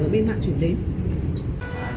bên mạng chuyển đến